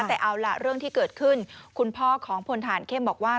แต่เอาล่ะเรื่องที่เกิดขึ้นคุณพ่อของพลฐานเข้มบอกว่า